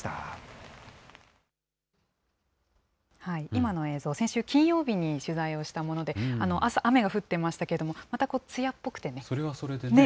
今の映像、先週金曜日に取材をしたもので、雨が降ってましたけれども、またつやっぽくてね。